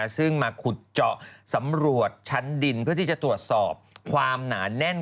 ซึ่งมาขุดเจาะสำรวจชั้นดินเพื่อที่จะตรวจสอบความหนาแน่น